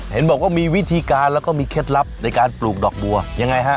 เห็นบอกว่ามีวิธีการแล้วก็มีเคล็ดลับในการปลูกดอกบัวยังไงฮะ